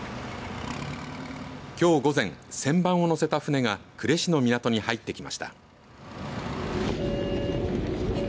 きょう午前、旋盤を載せた船が呉市の港に入ってきました。